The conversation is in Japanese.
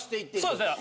そうですね。